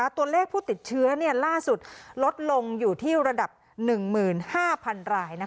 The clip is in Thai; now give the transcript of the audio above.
ตัวเลขผู้ติดเชื้อล่าสุดลดลงอยู่ที่ระดับ๑๕๐๐๐ราย